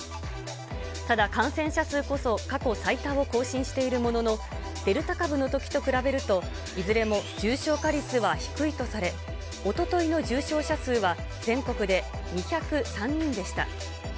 ただ感染者数こそ過去最多を更新しているものの、デルタ株のときと比べると、いずれも重症化率は低いとされ、おとといの重症者数は全国で２０３人でした。